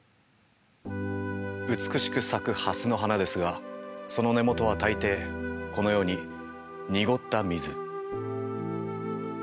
美しく咲くハスの花ですがその根元は大抵このように濁った水。